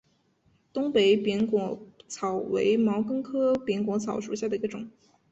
东北扁果草为毛茛科扁果草属下的一个种。